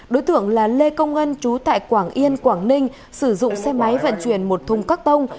đối tượng là lê công ngân trú tại quảng yên quảng ninh sử dụng xe máy vận chuyển một thùng cắt tông